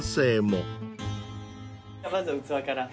まず器から。